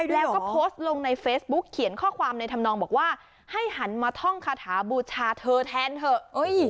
แล้วก็โพสต์ลงในเฟซบุ๊กเขียนข้อความในธรรมนองบอกว่าให้หันมาท่องคาถาบูชาเธอแทนเถอะ